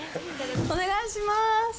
お願いします。